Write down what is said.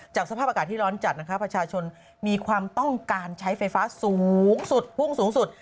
จากสภาพอากาศที่ร้อนจัดนะครับประชาชนมีความต้องการใช้ไฟฟ้าสูงสุด